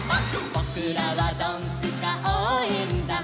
「ぼくらはドンスカおうえんだん」